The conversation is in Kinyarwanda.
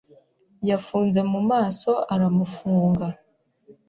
Yafunze mu maso aramufunga